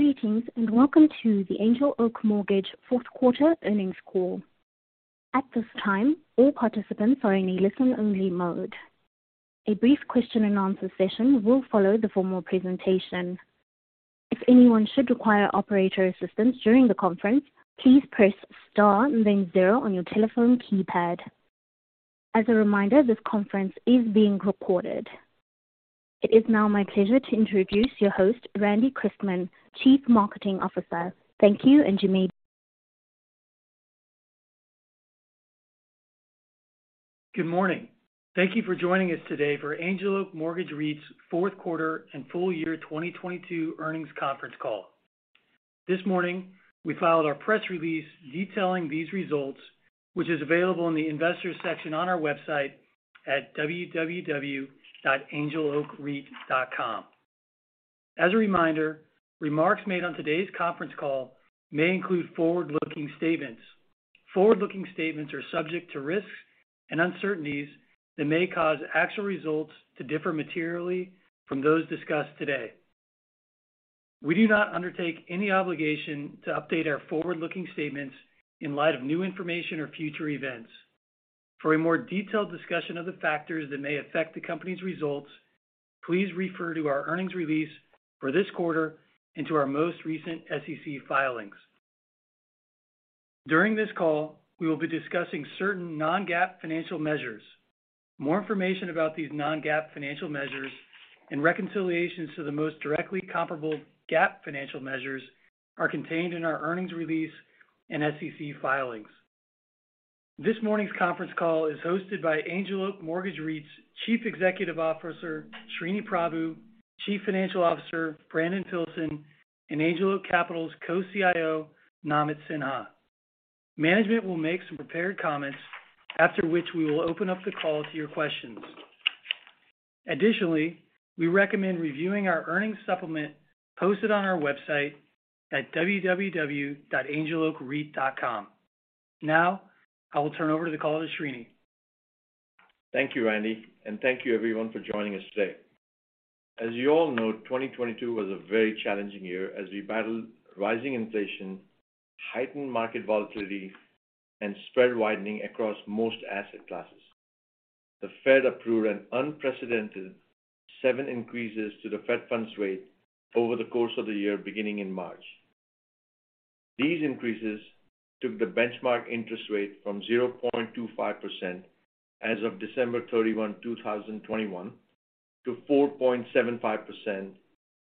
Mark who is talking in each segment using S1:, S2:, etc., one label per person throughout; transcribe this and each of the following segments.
S1: Greetings, and welcome to the Angel Oak Mortgage fourth quarter earnings call. At this time, all participants are in a listen-only mode. A brief question-and-answer session will follow the formal presentation. If anyone should require operator assistance during the conference, please press star and then zero on your telephone keypad. As a reminder, this conference is being recorded. It is now my pleasure to introduce your host, Randy Chrisman, Chief Marketing Officer. Thank you, and you may begin.
S2: Good morning. Thank you for joining us today for Angel Oak Mortgage REIT's fourth quarter and full year 2022 earnings conference call. This morning, we filed our press release detailing these results, which is available in the investors section on our website at www.angeloakreit.com. As a reminder, remarks made on today's conference call may include forward-looking statements. Forward-looking statements are subject to risks and uncertainties that may cause actual results to differ materially from those discussed today. We do not undertake any obligation to update our forward-looking statements in light of new information or future events. For a more detailed discussion of the factors that may affect the company's results, please refer to our earnings release for this quarter and to our most recent SEC filings. During this call, we will be discussing certain non-GAAP financial measures. More information about these non-GAAP financial measures and reconciliations to the most directly comparable GAAP financial measures are contained in our earnings release and SEC filings. This morning's conference call is hosted by Angel Oak Mortgage REIT's Chief Executive Officer, Sreeni Prabhu, Chief Financial Officer, Brandon Filson, and Angel Oak Capital's Co-CIO, Namit Sinha. Management will make some prepared comments after which we will open up the call to your questions. Additionally, we recommend reviewing our earnings supplement posted on our website at www.angeloakreit.com. Now, I will turn over the call to Sreeni.
S3: Thank you, Randy, and thank you everyone for joining us today. As you all know, 2022 was a very challenging year as we battled rising inflation, heightened market volatility, and spread widening across most asset classes. The Fed approved an unprecedented seven increases to the fed funds rate over the course of the year, beginning in March. These increases took the benchmark interest rate from 0.25% as of December 31, 2021, to 4.75%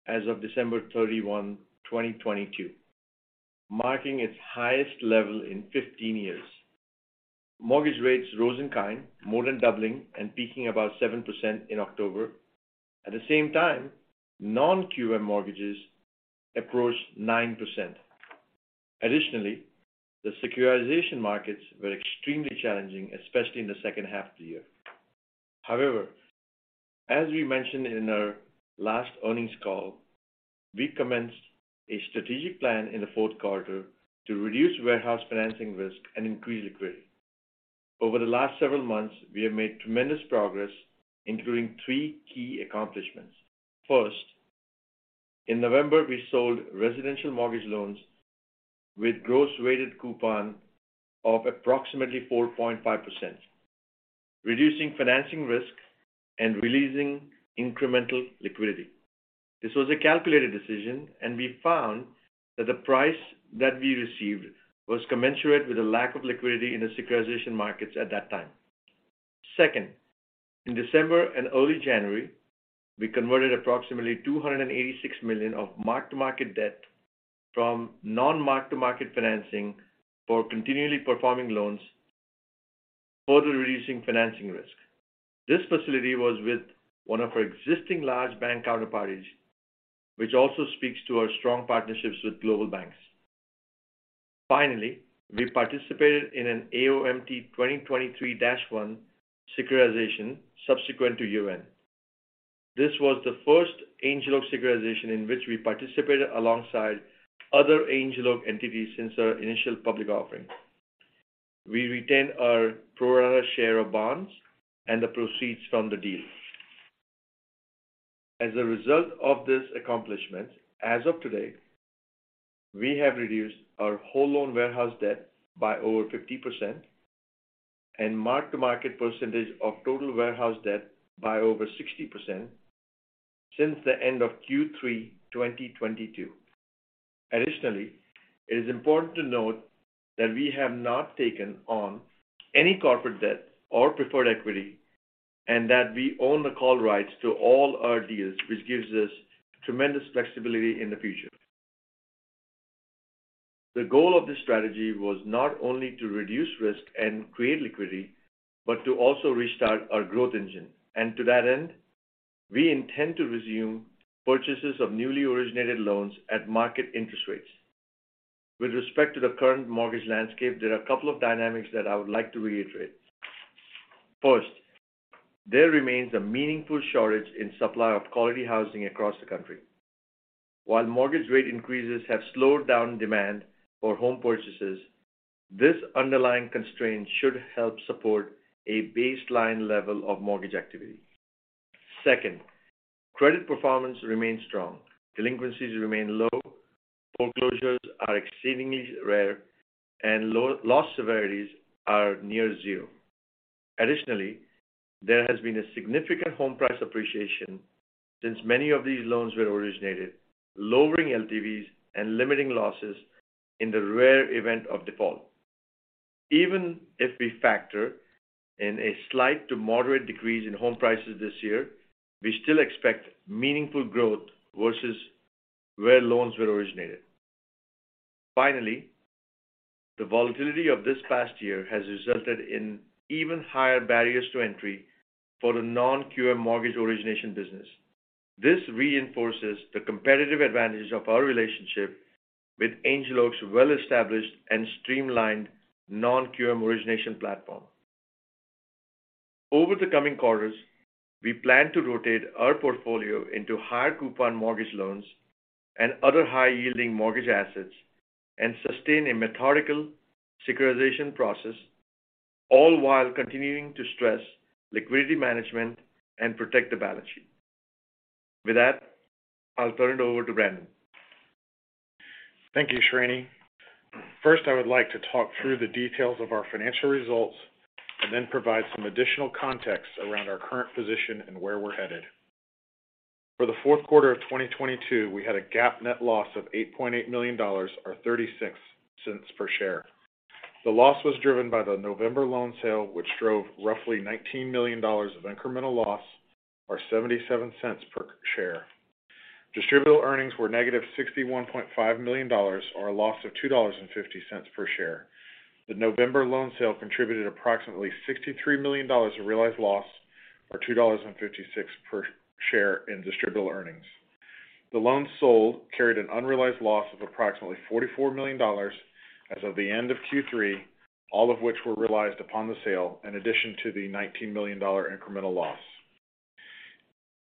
S3: as of December 31, 2022, marking its highest level in 15 years. Mortgage rates rose in kind, more than doubling and peaking about 7% in October. At the same time, non-QM mortgages approached 9%. Additionally, the securitization markets were extremely challenging, especially in the second half of the year. However, as we mentioned in our last earnings call, we commenced a strategic plan in the fourth quarter to reduce warehouse financing risk and increase liquidity. Over the last several months, we have made tremendous progress, including three key accomplishments. First, in November, we sold residential mortgage loans with gross weighted coupon of approximately 4.5%, reducing financing risk and releasing incremental liquidity. This was a calculated decision, and we found that the price that we received was commensurate with the lack of liquidity in the securitization markets at that time. Second, in December and early January, we converted approximately $286 million of mark-to-market debt from non-mark-to-market financing for continually performing loans, further reducing financing risk. This facility was with one of our existing large bank counterparties, which also speaks to our strong partnerships with global banks. Finally, we participated in an AOMT 2023-1 securitization subsequent to year-end. This was the first Angel Oak securitization in which we participated alongside other Angel Oak entities since our initial public offering. We retained our pro-rata share of bonds and the proceeds from the deal. As a result of this accomplishment, as of today, we have reduced our whole loan warehouse debt by over 50% and mark-to-market percentage of total warehouse debt by over 60% since the end of Q3 2022. Additionally, it is important to note that we have not taken on any corporate debt or preferred equity, and that we own the call rights to all our deals which gives us tremendous flexibility in the future. The goal of this strategy was not only to reduce risk and create liquidity, but to also restart our growth engine. To that end, we intend to resume purchases of newly originated loans at market interest rates. With respect to the current mortgage landscape, there are a couple of dynamics that I would like to reiterate. First, there remains a meaningful shortage in supply of quality housing across the country. While mortgage rate increases have slowed down demand for home purchases, this underlying constraint should help support a baseline level of mortgage activity. Second, credit performance remains strong. Delinquencies remain low, foreclosures are exceedingly rare, and low-loss severities are near zero. Additionally, there has been a significant home price appreciation since many of these loans were originated, lowering LTVs and limiting losses in the rare event of default. Even if we factor in a slight to moderate decrease in home prices this year, we still expect meaningful growth versus where loans were originated. Finally, the volatility of this past year has resulted in even higher barriers to entry for the non-QM mortgage origination business. This reinforces the competitive advantage of our relationship with Angel Oak's well-established and streamlined non-QM origination platform. Over the coming quarters, we plan to rotate our portfolio into higher coupon mortgage loans and other high-yielding mortgage assets and sustain a methodical securitization process, all while continuing to stress liquidity management and protect the balance sheet. With that, I'll turn it over to Brandon.
S4: Thank you, Sreeni. First, I would like to talk through the details of our financial results and then provide some additional context around our current position and where we're headed. For the fourth quarter of 2022, we had a GAAP net loss of $8.8 million or $0.36 per share. The loss was driven by the November loan sale, which drove roughly $19 million of incremental loss or $0.77 per share. Distributable Earnings were negative $61.5 million or a loss of $2.50 per share. The November loan sale contributed approximately $63 million of realized loss or $2.56 per share in Distributable Earnings. The loans sold carried an unrealized loss of approximately $44 million as of the end of Q3, all of which were realized upon the sale, in addition to the $19 million incremental loss.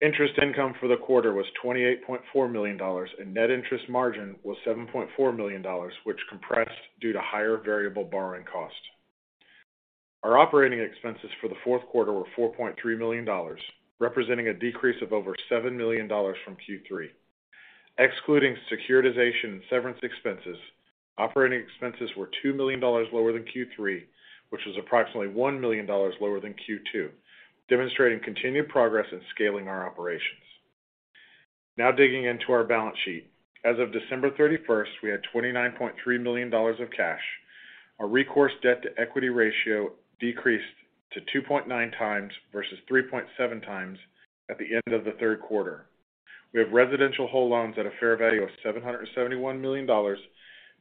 S4: Interest income for the quarter was $28.4 million, and net interest margin was $7.4 million, which compressed due to higher variable borrowing costs. Our operating expenses for the fourth quarter were $4.3 million, representing a decrease of over $7 million from Q3. Excluding securitization and severance expenses, operating expenses were $2 million lower than Q3, which was approximately $1 million lower than Q2, demonstrating continued progress in scaling our operations. Digging into our balance sheet. As of December 31st, we had $29.3 million of cash. Our recourse debt-to-equity ratio decreased to 2.9 times versus 3.7 times at the end of the third quarter. We have residential whole loans at a fair value of $771 million,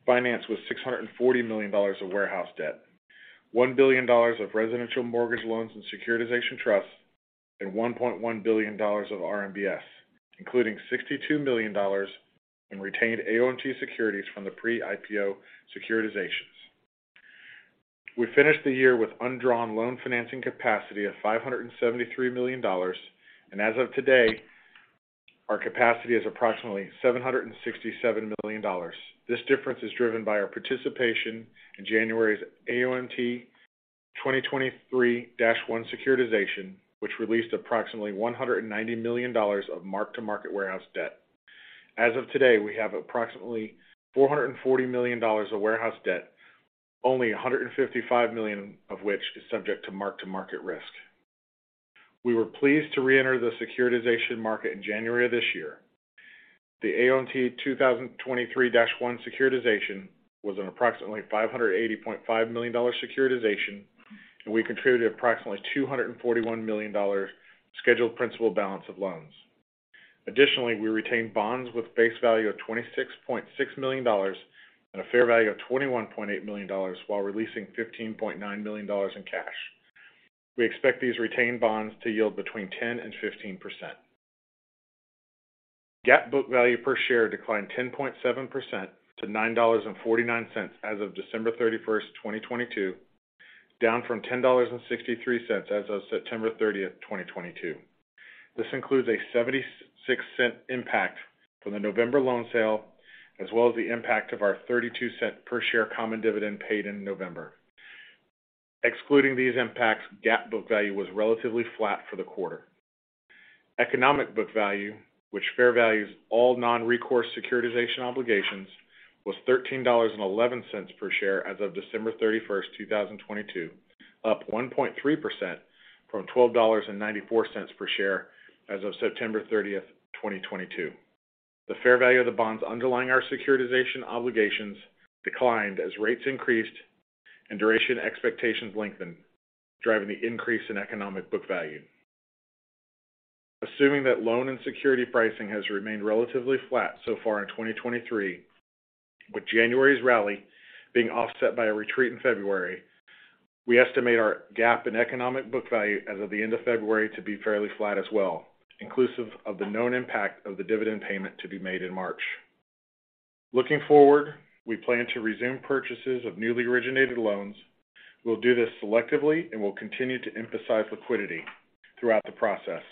S4: financed with $640 million of warehouse debt, $1 billion of residential mortgage loans and securitization trusts, and $1.1 billion of RMBS, including $62 million in retained AOMT securities from the pre-IPO securitizations. We finished the year with undrawn loan financing capacity of $573 million. As of today, our capacity is approximately $767 million. This difference is driven by our participation in January's AOMT 2023-1 securitization, which released approximately $190 million of mark-to-market warehouse debt. As of today, we have approximately $440 million of warehouse debt, only $155 million of which is subject to mark-to-market risk. We were pleased to reenter the securitization market in January of this year. The AOMT 2023-1 securitization was an approximately $585 million securitization, and we contributed approximately $241 million scheduled principal balance of loans. Additionally, we retained bonds with a face value of $26.6 million and a fair value of $21.8 million while releasing $15.9 million in cash. We expect these retained bonds to yield between 10% and 15%. GAAP book value per share declined 10.7% to $9.49 as of December 31st, 2022, down from $10.63 as of September 30th, 2022. This includes a $0.76 impact from the November loan sale, as well as the impact of our $0.32 per share common dividend paid in November. Excluding these impacts, GAAP book value was relatively flat for the quarter. Economic book value, which fair values all non-recourse securitization obligations, was $13.11 per share as of December 31st, 2022, up 1.3% from $12.94 per share as of September 30th, 2022. The fair value of the bonds underlying our securitization obligations declined as rates increased and duration expectations lengthened, driving the increase in economic book value. Assuming that loan and security pricing has remained relatively flat so far in 2023, with January's rally being offset by a retreat in February, we estimate our GAAP and economic book value as of the end of February to be fairly flat as well, inclusive of the known impact of the dividend payment to be made in March. Looking forward, we plan to resume purchases of newly originated loans. We'll do this selectively and will continue to emphasize liquidity throughout the process.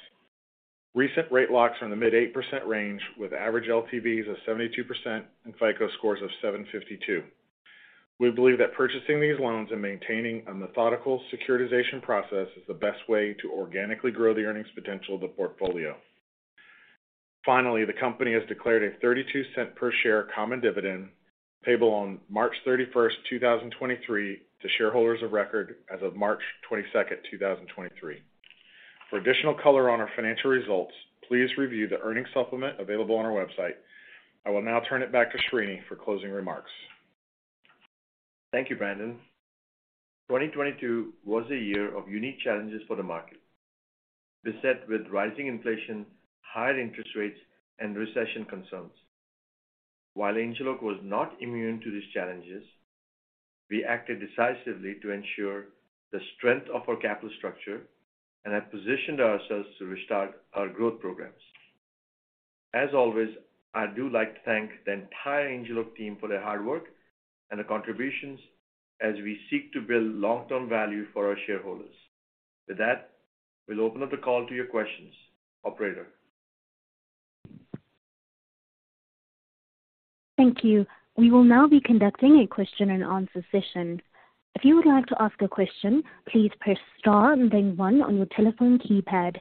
S4: Recent rate locks are in the mid 8% range, with average LTVs of 72% and FICO scores of 752. We believe that purchasing these loans and maintaining a methodical securitization process is the best way to organically grow the earnings potential of the portfolio. Finally, the company has declared a $0.32 per share common dividend payable on March 31st, 2023 to shareholders of record as of March 22nd, 2023. For additional color on our financial results, please review the earnings supplement available on our website. I will now turn it back to Sreeni for closing remarks.
S3: Thank you, Brandon. 2022 was a year of unique challenges for the market. Beset with rising inflation, higher interest rates, and recession concerns. While Angel Oak was not immune to these challenges, we acted decisively to ensure the strength of our capital structure and have positioned ourselves to restart our growth programs. As always, I do like to thank the entire Angel Oak team for their hard work and their contributions as we seek to build long-term value for our shareholders. With that, we'll open up the call to your questions. Operator.
S1: Thank you. We will now be conducting a question and answer session. If you would like to ask a question, please press star and then one on your telephone keypad.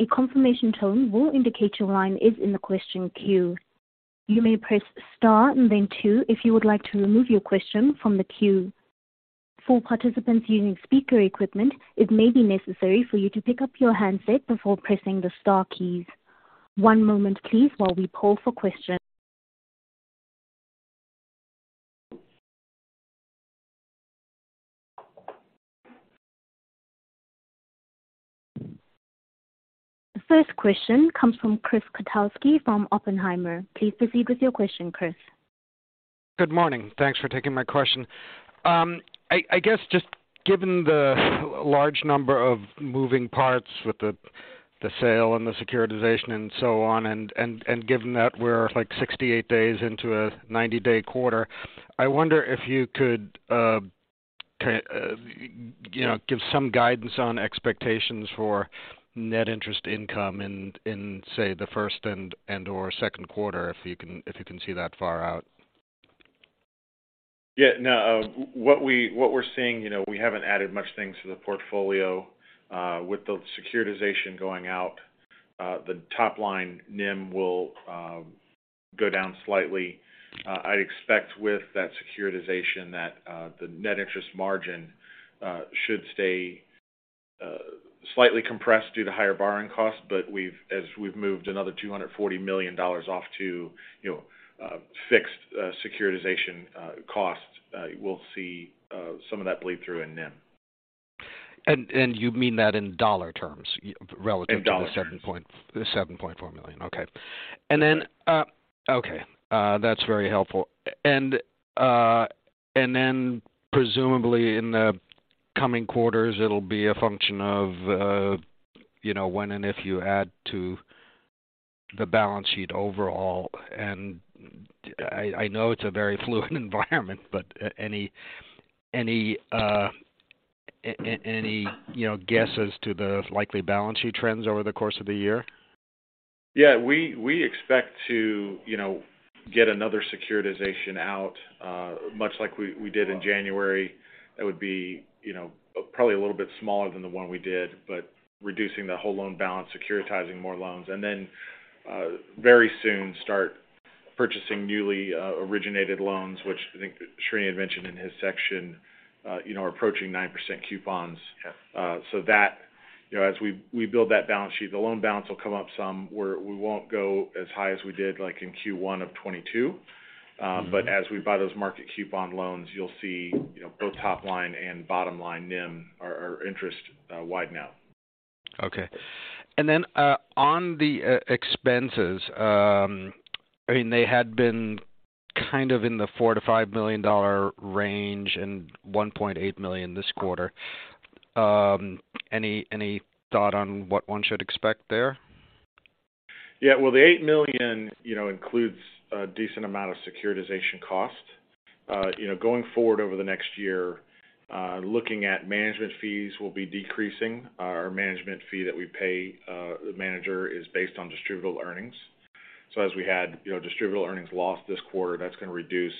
S1: A confirmation tone will indicate your line is in the question queue. You may press star and then two if you would like to remove your question from the queue. For participants using speaker equipment, it may be necessary for you to pick up your handset before pressing the star keys. One moment please while we poll for questions. The first question comes from Chris Kotowski from Oppenheimer. Please proceed with your question, Chris.
S5: Good morning. Thanks for taking my question. I guess just given the large number of moving parts with the sale and the securitization and so on, given that we're like 68 days into a 90-day quarter, I wonder if you could, you know, give some guidance on expectations for net interest income in, say, the first and/or second quarter, if you can see that far out.
S4: What we're seeing, you know, we haven't added much things to the portfolio. With the securitization going out, the top-line NIM will go down slightly. I'd expect with that securitization that the net interest margin should stay slightly compressed due to higher borrowing costs, as we've moved another $240 million off to, you know, fixed securitization costs, we'll see some of that bleed through in NIM.
S5: You mean that in dollar terms relative.
S4: In dollar terms.
S5: To the $7.4 million. Okay. Then, Okay, that's very helpful. Then, presumably in the coming quarters, it'll be a function of, you know, when and if you add to the balance sheet overall. I know it's a very fluid environment but any, you know, guesses to the likely balance sheet trends over the course of the year?
S4: Yeah. We expect to, you know, get another securitization out, much like we did in January. That would be, you know, probably a little bit smaller than the one we did, but reducing the whole loan balance, securitizing more loans. Very soon, start purchasing newly originated loans, which I think Sreeni had mentioned in his section, you know, approaching 9% coupons.
S5: Yeah.
S4: You know, as we build that balance sheet, the loan balance will come up some, where we won't go as high as we did, like in Q1 of 2022. As we buy those market coupon loans, you'll see, you know, both top line and bottom line NIM, our interest, widen out.
S5: Okay. On the e-expenses, I mean, they had been kind of in the $4 million-$5 million range and $1.8 million this quarter. Any thought on what one should expect there?
S4: Yeah. Well, the $8 million, you know, includes a decent amount of securitization costs. You know, going forward over the next year, looking at management fees will be decreasing. Our management fee that we pay, the manager is based on Distributable Earnings. As we had, you know, Distributable Earnings loss this quarter, that's gonna reduce.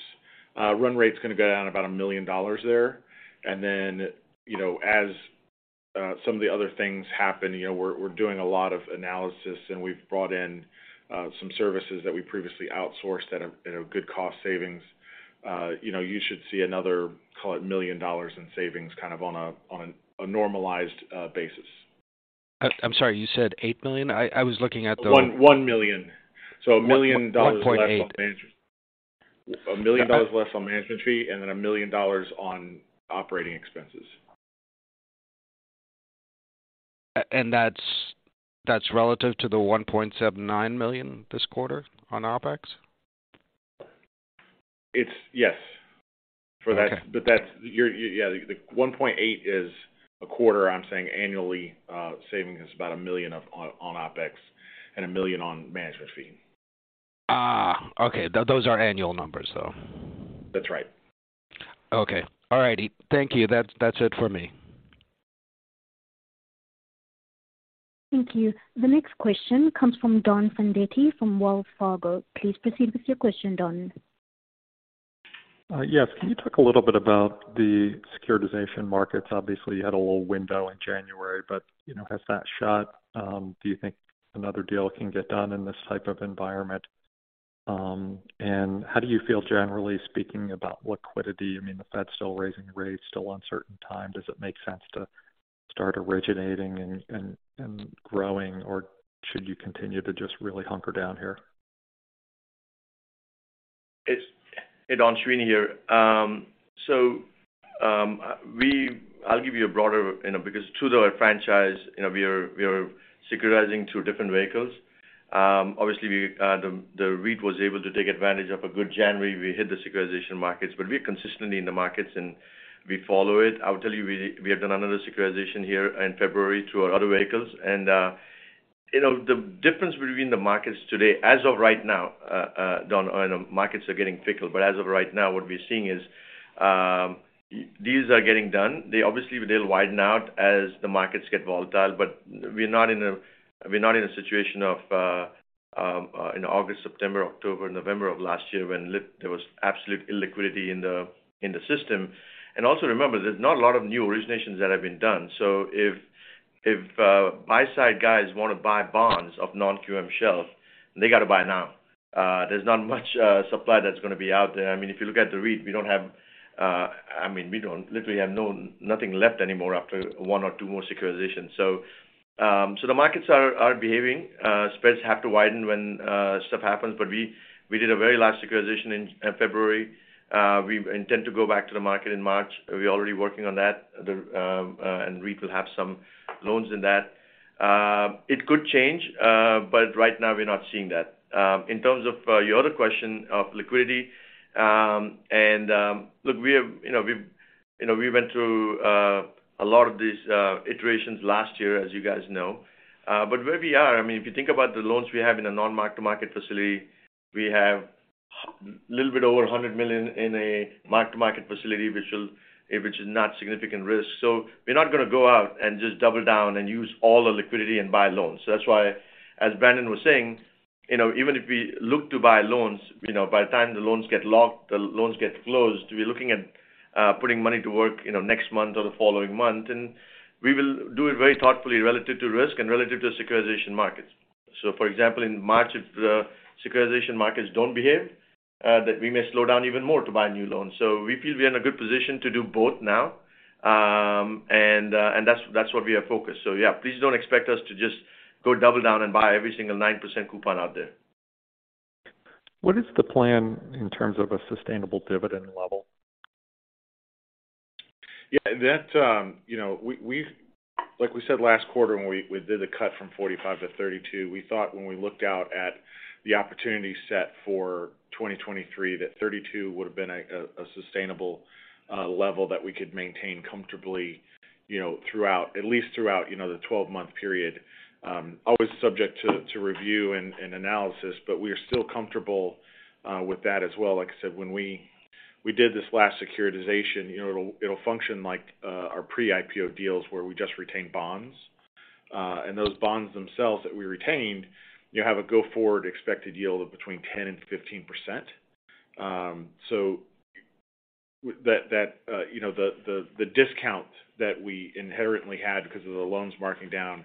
S4: Run rate's gonna go down about $1 million there. You know, as some of the other things happen, you know, we're doing a lot of analysis, and we've brought in some services that we previously outsourced at a good cost savings. You know, you should see another, call it $1 million in savings, kind of on a normalized basis.
S5: I'm sorry, you said $8 million? I was looking at.
S4: $1 million. $1 million.
S5: 1.8.
S4: Less on management. $1 million less on management fee, and then $1 million on operating expenses.
S5: That's relative to the $1.79 million this quarter on OpEx?
S4: It's... Yes.
S5: Okay.
S4: That's. Yeah. The $1.8 million is a quarter. I'm saying annually, saving us about $1 million of, on OpEx and $1 million on management fee.
S5: Okay. Those are annual numbers, though.
S4: That's right.
S5: Okay. All righty. Thank you. That's it for me.
S1: Thank you. The next question comes from Don Fandetti from Wells Fargo. Please proceed with your question, Don.
S6: Yes. Can you talk a little bit about the securitization markets? Obviously, you had a little window in January, you know, has that shut? Do you think another deal can get done in this type of environment? How do you feel generally speaking about liquidity? I mean, the Fed's still raising rates, still uncertain time. Does it make sense to start originating and growing or should you continue to just really hunker down here?
S3: Hey, Don, Sreeni here. You know, because truth of our franchise, you know, we are securitizing two different vehicles. Obviously, we, the REIT was able to take advantage of a good January. We hit the securitization markets, but we're consistently in the markets and we follow it. I will tell you, we have done another securitization here in February through our other vehicles. You know, the difference between the markets today as of right now, Don, I know markets are getting fickle, but as of right now, what we're seeing is, deals are getting done. They obviously, they'll widen out as the markets get volatile, but we're not in a situation of in August, September, October, November of last year when there was absolute illiquidity in the system. Also remember, there's not a lot of new originations that have been done. If buy side guys wanna buy bonds of non-QM shelf, they gotta buy now. There's not much supply that's gonna be out there. I mean, if you look at the REIT, we don't have, I mean, we don't literally have nothing left anymore after one or two more securitizations. The markets are behaving. Spreads have to widen when stuff happens. We did a very large securitization in February. We intend to go back to the market in March. We're already working on that. The REIT will have some loans in that. It could change, but right now we're not seeing that. In terms of your other question of liquidity, and, look, we have. You know, we've, you know, we went through a lot of these iterations last year, as you guys know. Where we are, I mean, if you think about the loans we have in a non-mark-to-market facility, we have a little bit over $100 million in a mark-to-market facility, which is not significant risk. We're not gonna go out and just double down and use all the liquidity and buy loans. That's why, as Brandon was saying, you know, even if we look to buy loans, you know, by the time the loans get locked, the loans get closed, we're looking at putting money to work, you know, next month or the following month, and we will do it very thoughtfully relative to risk and relative to securitization markets. For example, in March, if the securitization markets don't behave, that we may slow down even more to buy new loans. We feel we're in a good position to do both now. That's, that's what we are focused. Yeah, please don't expect us to just go double down and buy every single 9% coupon out there.
S6: What is the plan in terms of a sustainable dividend level?
S4: That, you know, we, like we said last quarter when we did a cut from 45 to 32, we thought when we looked out at the opportunity set for 2023, that 32 would have been a sustainable level that we could maintain comfortably, you know, throughout, at least throughout, you know, the 12-month period. Always subject to review and analysis, but we are still comfortable with that as well. Like I said, when we did this last securitization, you know, it'll function like our pre-IPO deals where we just retained bonds. Those bonds themselves that we retained, you have a go-forward expected yield of between 10% and 15%. That, you know, the discount that we inherently had because of the loans marking down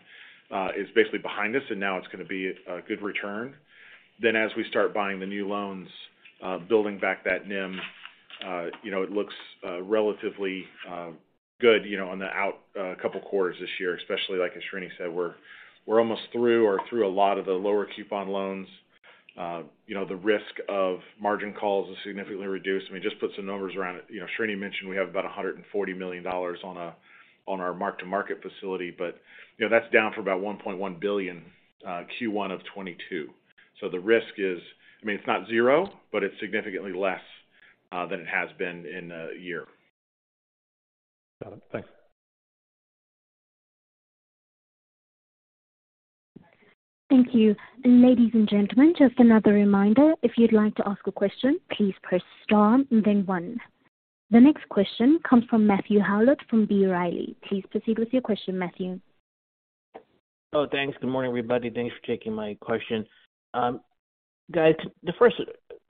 S4: is basically behind us and now it's gonna be a good return. As we start buying the new loans, building back that NIM, you know, it looks relatively good, you know, on the out couple quarters this year, especially like as Sreeni said, we're almost through or through a lot of the lower coupon loans. You know, the risk of margin calls is significantly reduced. I mean, just put some numbers around it. You know, Sreeni mentioned we have about $140 million on our mark-to-market facility, you know, that's down for about $1.1 billion Q1 of 2022. The risk is, I mean, it's not zero, but it's significantly less than it has been in a year.
S6: Got it. Thanks.
S1: Thank you. Ladies and gentlemen, just another reminder, if you'd like to ask a question, please press star and then one. The next question comes from Matthew Howlett from B. Riley. Please proceed with your question, Matthew.
S7: Oh, thanks. Good morning, everybody. Thanks for taking my question. Guys, the first,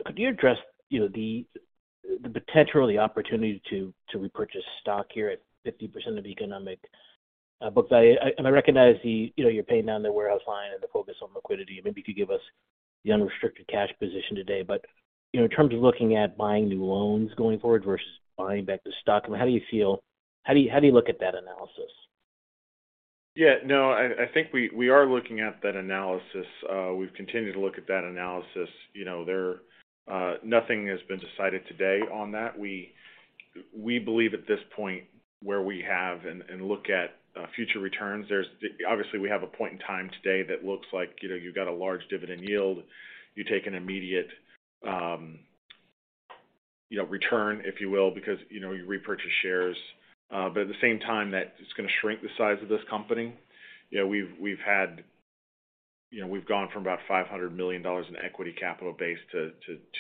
S7: could you address, you know, the potential or the opportunity to repurchase stock here at 50% of economic book value? I recognize the, you know, you're paying down the warehouse line and the focus on liquidity, and maybe you could give us the unrestricted cash position today. You know, in terms of looking at buying new loans going forward versus buying back the stock, I mean, how do you feel? How do you, how do you look at that analysis?
S4: Yeah, no, I think we are looking at that analysis. We've continued to look at that analysis. You know, there, nothing has been decided today on that. We believe at this point where we have and look at future returns, obviously, we have a point in time today that looks like, you know, you've got a large dividend yield, you take an immediate, you know, return, if you will, because, you know, you repurchase shares. At the same time, that it's gonna shrink the size of this company. You know, we've had You know, we've gone from about $500 million in equity capital base to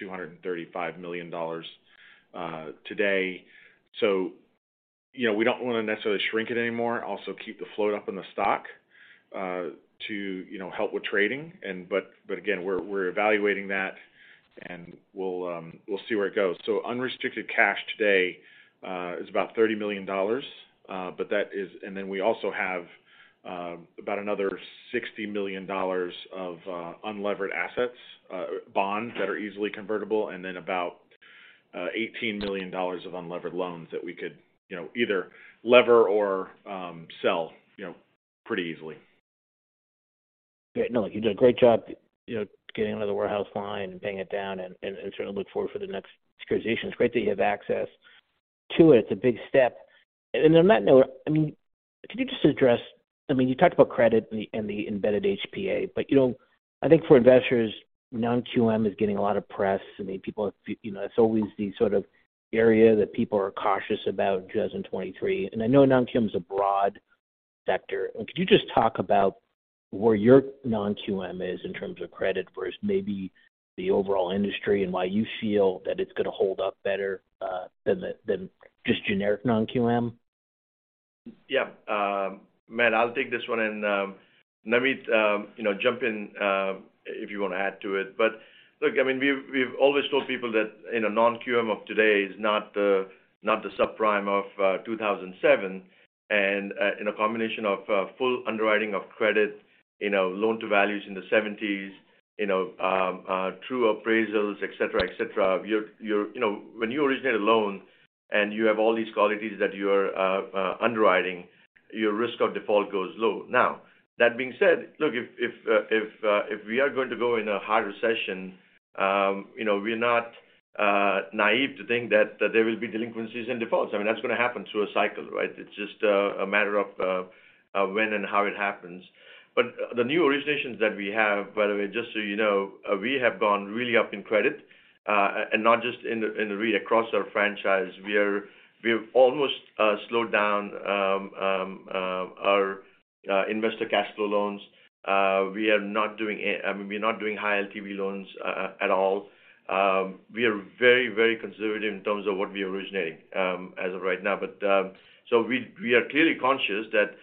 S4: $235 million today. You know, we don't wanna necessarily shrink it any more, also keep the float up in the stock, to, you know, help with trading but again, we're evaluating that and we'll see where it goes. Unrestricted cash today is about $30 million, but that is... Then we also have about another $60 million of unlevered assets, bonds that are easily convertible, and then about $18 million of unlevered loans that we could, you know, either lever or sell, you know, pretty easily.
S7: Great. No, you did a great job, you know, getting another warehouse line and paying it down and sort of look forward for the next securitization. It's great that you have access to it. It's a big step. On that note, I mean, could you just address? I mean, you talked about credit and the embedded HPA, but, you know, I think for investors, non-QM is getting a lot of press. I mean, people, you know, it's always the sort of area that people are cautious about just in 2023. I know non-QM is a broad sector. Could you just talk about where your non-QM is in terms of credit versus maybe the overall industry and why you feel that it's gonna hold up better than just generic non-QM?
S3: Yeah. Matt, I'll take this one and Namit, you know, jump in, if you wanna add to it. Look, I mean, we've always told people that in a non-QM of today is not the subprime of 2007. In a combination of full underwriting of credit, you know, loan to values in the 70s, you know, true appraisals, et cetera, et cetera. You know, when you originate a loan and you have all these qualities that you are underwriting, your risk of default goes low. Now, that being said, look, if we are going to go in a hard recession, you know, we're not naive to think that there will be delinquencies and defaults. I mean, that's gonna happen through a cycle, right? It's just a matter of when and how it happens. The new originations that we have, by the way, just so you know, we have gone really up in credit, and not just in the, in the REIT, across our franchise. We've almost slowed down our investor cash flow loans. I mean, we're not doing high LTV loans at all. We are very, very conservative in terms of what we originate as of right now. We are clearly conscious that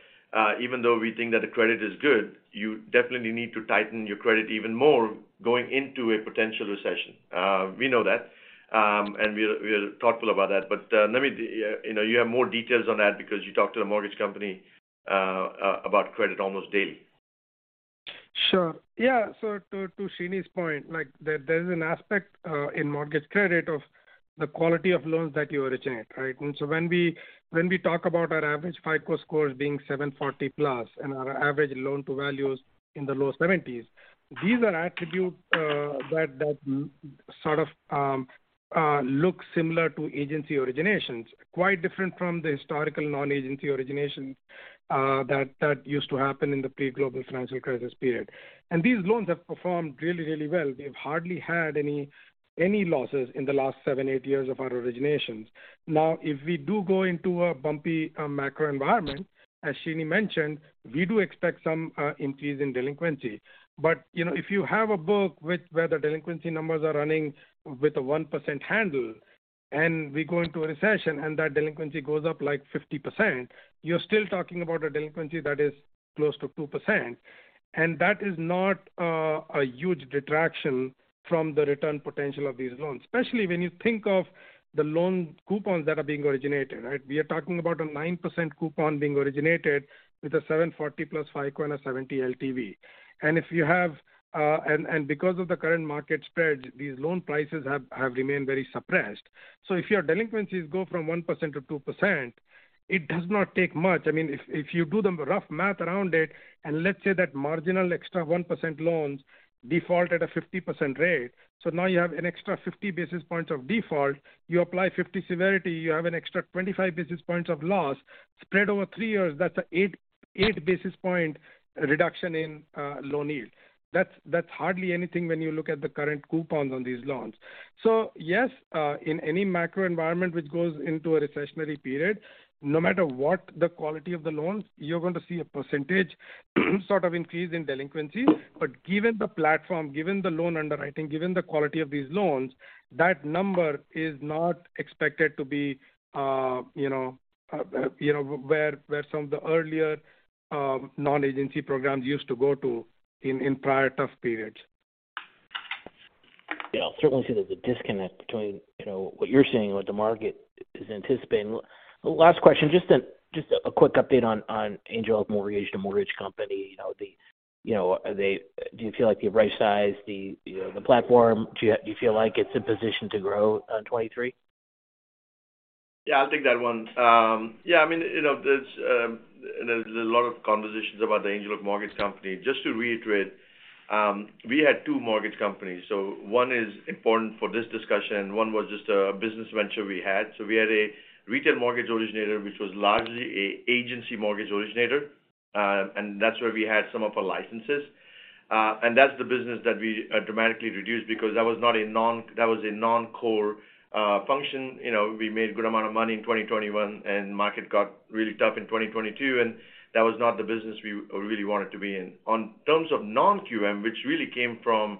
S3: even though we think that the credit is good, you definitely need to tighten your credit even more going into a potential recession. We know that, and we are thoughtful about that. Namit, you know, you have more details on that because you talk to the mortgage company about credit almost daily.
S8: Sure. Yeah. To Sreeni's point, like, there's an aspect in mortgage credit of the quality of loans that you originate, right? When we talk about our average FICO scores being 740+ and our average loan to value is in the low 70s, these are attributes that sort of look similar to agency originations. Quite different from the historical non-agency originations that used to happen in the pre-global financial crisis period. These loans have performed really, really well. They've hardly had any losses in the last seven, eight years of our originations. If we do go into a bumpy macro environment, as Sreeni mentioned, we do expect some increase in delinquency. You know, if you have a book with where the delinquency numbers are running with a 1% handle, and we go into a recession and that delinquency goes up like 50%, you're still talking about a delinquency that is close to 2%. That is not a huge detraction from the return potential of these loans, especially when you think of the loan coupons that are being originated, right? We are talking about a 9% coupon being originated with a 740+ FICO and a 70 LTV. If you have... And because of the current market spreads, these loan prices have remained very suppressed. If your delinquencies go from 1% to 2%, it does not take much. I mean, if you do the rough math around it, and let's say that marginal extra 1% loans default at a 50% rate, now you have an extra 50 basis points of default, you apply 50 severity, you have an extra 25 basis points of loss spread over three years. That's an eight basis point reduction in loan yield. That's hardly anything when you look at the current coupons on these loans. Yes, in any macro environment which goes into a recessionary period, no matter what the quality of the loans, you're going to see a percentage sort of increase in delinquencies. Given the platform, given the loan underwriting, given the quality of these loans, that number is not expected to be, you know, you know, where some of the earlier non-agency programs used to go to in prior tough periods.
S7: Yeah. I certainly see there's a disconnect between, you know, what you're seeing and what the market is anticipating. Last question, just a quick update on Angel Oak Mortgage, the mortgage company. You know, do you feel like you've right-sized the, you know, the platform? Do you feel like it's in position to grow, 2023?
S3: Yeah, I'll take that one. Yeah, I mean, you know, there's a lot of conversations about the Angel Oak Mortgage company. Just to reiterate, we had two mortgage companies, so one is important for this discussion, one was just a business venture we had. We had a retail mortgage originator, which was largely a agency mortgage originator, and that's where we had some of our licenses. That's the business that we dramatically reduced because that was not a non-core function. You know, we made a good amount of money in 2021, and market got really tough in 2022, and that was not the business we really wanted to be in. On terms of non-QM, which really came from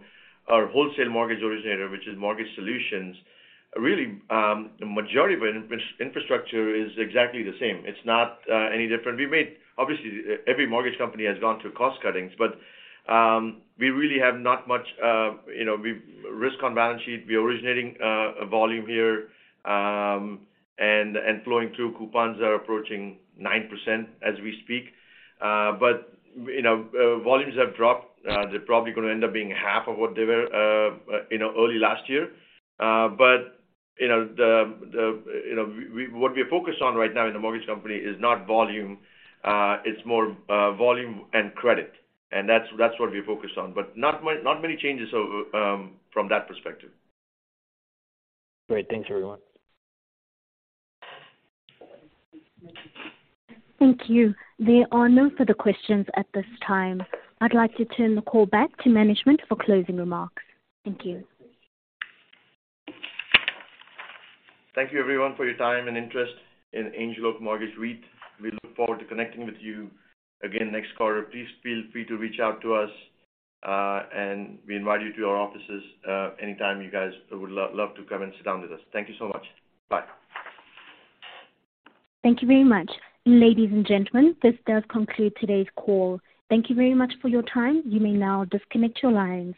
S3: our wholesale mortgage originator, which is Mortgage Solutions, really, the majority of infrastructure is exactly the same. It's not any different. Obviously, every mortgage company has gone through cost cuttings, but we really have not much, you know, we risk on balance sheet. We're originating volume here, and flowing through coupons that are approaching 9% as we speak. You know, volumes have dropped. They're probably gonna end up being half of what they were, you know, early last year. You know, the, you know, what we are focused on right now in the mortgage company is not volume. It's more volume and credit, and that's what we're focused on. Not many changes from that perspective.
S7: Great. Thanks, everyone.
S1: Thank you. There are no further questions at this time. I'd like to turn the call back to management for closing remarks. Thank you.
S3: Thank you everyone for your time and interest in Angel Oak Mortgage REIT. We look forward to connecting with you again next quarter. Please feel free to reach out to us, and we invite you to our offices anytime you guys would love to come and sit down with us. Thank you so much. Bye.
S1: Thank you very much. Ladies and gentlemen, this does conclude today's call. Thank you very much for your time. You may now disconnect your lines.